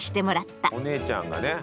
お姉ちゃんがね。